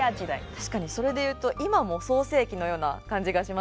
確かにそれで言うと今も創成期のような感じがしますよね。